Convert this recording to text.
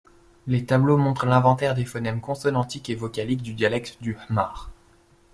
Les tableaux montrent l'inventaire des phonèmes consonantiques et vocaliques du dialecte du hmar.